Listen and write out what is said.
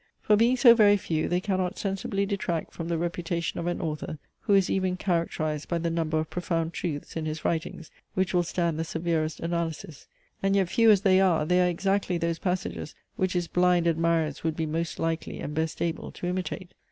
For being so very few, they cannot sensibly detract from the reputation of an author, who is even characterized by the number of profound truths in his writings, which will stand the severest analysis; and yet few as they are, they are exactly those passages which his blind admirers would be most likely, and best able, to imitate.